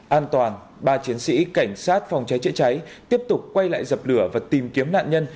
an toàn ba chiến sĩ cảnh sát phòng cháy chữa cháy tiếp tục quay lại dập lửa và tìm kiếm nạn nhân